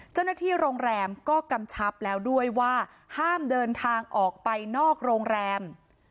เจ้าหน้าที่โรงแรมก็กำชับแล้วด้วยว่าห้ามเดินทางออกไปนอกโรงแรม